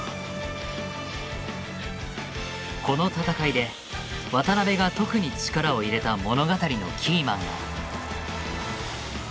この戦いで渡辺が特に力を入れた物語のキーマンが。